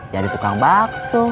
ya di tukang bakso